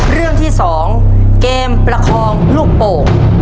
เรื่องที่๒เกมประคองลูกโป่ง